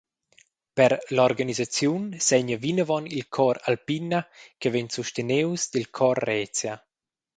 Per l’organisaziun segna vinavon il Chor Alpina che vegn sustenius dil Chor Rezia.